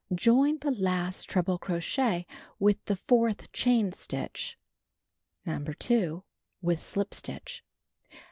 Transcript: Join the last treble crochet into the fourth chain stitch (see No. 2) w^ith slip stitch.